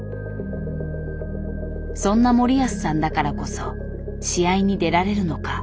そんな森保さんだからこそ「試合に出られるのか」